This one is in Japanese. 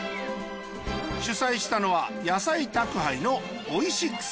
主催したのは野菜宅配のオイシックス。